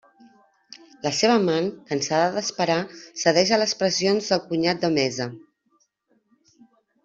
La seva amant, cansada d'esperar, cedeix a les pressions del cunyat de Mesa.